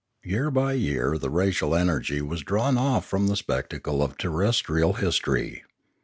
Year by year the racial energy was drawn off from the spectacle of terrestrial history.